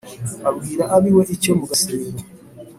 Abwira ab'iwe icyo mu gasero